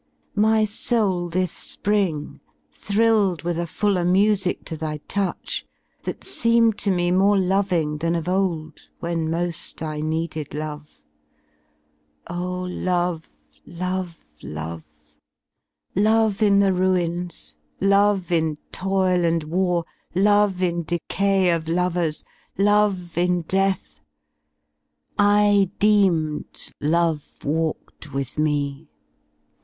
My soul this spring Thrilled with a fuller mmic to thy touch. That seemed to me more loving than of old. When moll I ?ieeded love. love, love, love! 88 Love m the ruins ^ love m toll and war. Love in decay of lovers, love in death! I deemed Love walked with me.